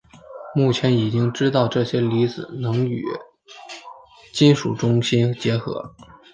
目前已经知道这些离子能与金属中心结合。